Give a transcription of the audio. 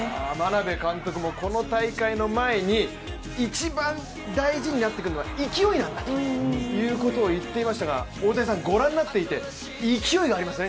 眞鍋監督もこの大会の前に一番大事になってくるのは勢いなんだということを言っていましたが、大谷さん、ご覧になっていて日本は勢いあります、。